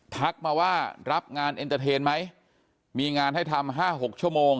ทักมาว่ารับงานเอ็นเตอร์เทนไหมมีงานให้ทำ๕๖ชั่วโมง